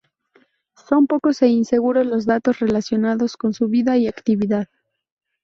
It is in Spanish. Son pocos e inseguros los datos relacionados con su vida y actividad.